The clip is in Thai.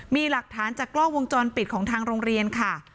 มีหลักฐานจากกล้องวงจรปิดของทางโรงเรียนค่ะ